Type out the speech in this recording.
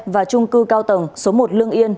và trung cư cao tầng số một lương yên